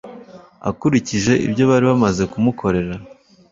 akurikije ibyo bari bamaze kumukorera